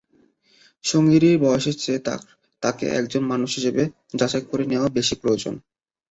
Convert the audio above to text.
সঙ্গীটির বয়সের চেয়ে তাকে একজন মানুষ হিসেবে যাচাই করে নেওয়া বেশি প্রয়োজন।